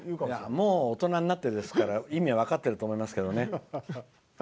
もう大人になってるから意味は分かってると思いますけどね。